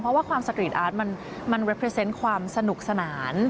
เพราะว่าความสตรีทอาร์ตมันเป็นความสนุกสนาน